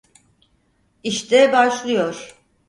İşte başlıyor.